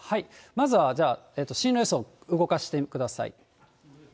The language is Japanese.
まずはじゃあ、進路予想、動かしてください。